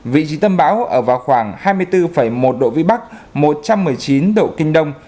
vị trí tâm bão ở vào khoảng hai mươi bốn một độ vĩ bắc một trăm một mươi chín độ kinh đông